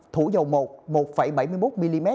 thủ dầu một một bảy mươi một mm